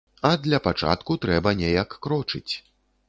А для пачатку трэба неяк крочыць.